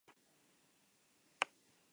El disco generalmente es pequeño.